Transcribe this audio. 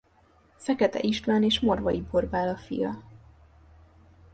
Fekete István és Morvai Borbála fia.